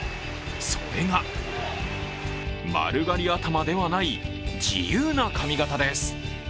それが、丸刈り頭ではない自由な髪形です。